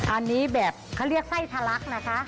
อันนี้แบบเขาเรียกไส้ทะลักนะคะ